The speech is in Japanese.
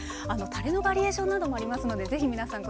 たれのバリエーションなどもありますのでぜひ皆さん